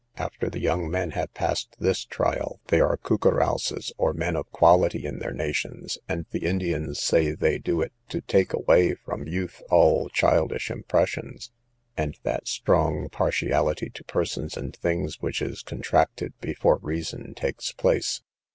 After the young men have passed this trial, they are Coucarouses, or men of quality in their nations; and the Indians say they do it to take away from youth all childish impressions, and that strong partiality to persons and things which is contracted before reason takes place.